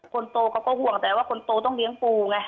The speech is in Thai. คนโตเขาก็ห่วงแต่ว่าคนโตต้องเลี้ยงปูไง